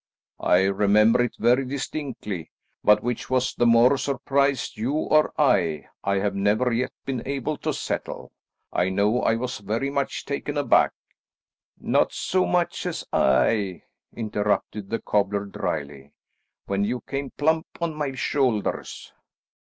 "I remember it very distinctly, but which was the more surprised, you or I, I have never yet been able to settle. I know I was very much taken aback." "Not so much as I," interrupted the cobbler dryly, "when you came plump on my shoulders."